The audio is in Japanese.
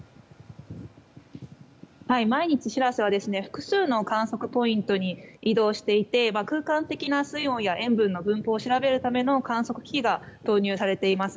毎日「しらせ」は複数の観測ポイントに移動していて、空間的な水温や塩分の分布を調べるための観測機器が投入されています。